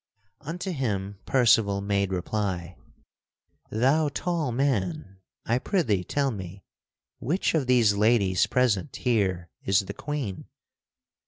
Unto him Percival made reply: "Thou tall man, I prithee tell me, which of these ladies present here is the Queen?"